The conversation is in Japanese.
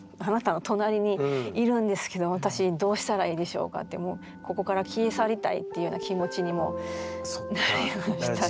私どうしたらいいでしょうかってもうここから消え去りたいっていうような気持ちにもなりましたし。